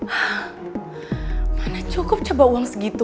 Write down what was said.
hah mana cukup coba uang segitu